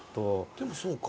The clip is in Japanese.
でもそうか。